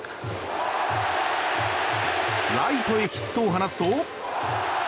ライトへヒットを放つと。